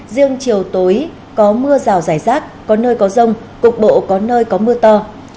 riêng chiều tối có mưa rào rải rác có nơi có rông cục bộ có nơi có mưa to